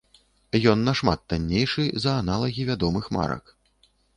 Ён нашмат таннейшы за аналагі вядомых марак.